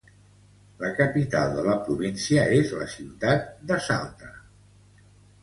La capital de la província és la ciutat de Salta.